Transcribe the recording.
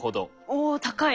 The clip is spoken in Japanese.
お高い。